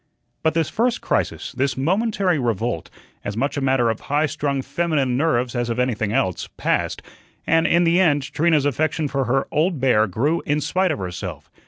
But this first crisis, this momentary revolt, as much a matter of high strung feminine nerves as of anything else, passed, and in the end Trina's affection for her "old bear" grew in spite of herself.